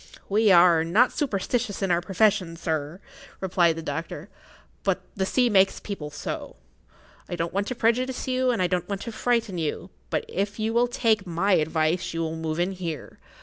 "We are not superstitious in our profession, sir," replied the doctor. "But the sea makes people so. I don't want to prejudice you, and I don't want to frighten you, but if you will take my advice you will move in here.